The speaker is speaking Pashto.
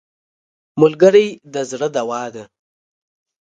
ملګری د زړه دوا ده